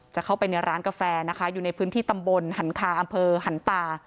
จะเข้าไปในร้านกาแฟนะคะอยู่ในพื้นที่ตำบลหันคาอำเภอหันตา